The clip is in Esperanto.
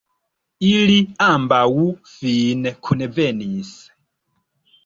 Ili ambaŭ fine kunvenis.